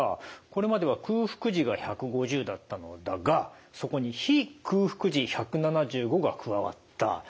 これまでは空腹時が１５０だったのだがそこに非空腹時１７５が加わった。